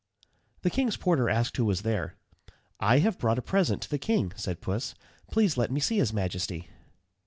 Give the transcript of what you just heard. _ The king's porter asked who was there. "I have brought a present to the king," said Puss. "Please let me see his majesty."